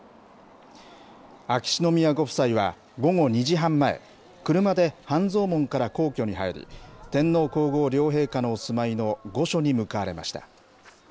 秋篠宮ご夫妻は午後２時半前、車で半蔵門から皇居に入り、天皇皇后両陛下のお住まいの御所に向かわれました。